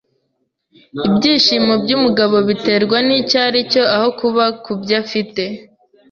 Ibyishimo byumugabo biterwa nicyo aricyo aho kuba kubyo afite.